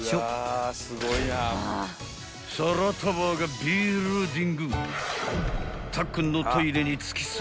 ［皿タワーがビルディング］